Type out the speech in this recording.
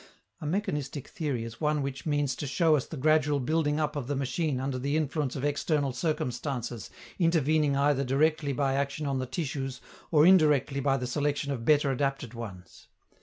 A mechanistic theory is one which means to show us the gradual building up of the machine under the influence of external circumstances intervening either directly by action on the tissues or indirectly by the selection of better adapted ones.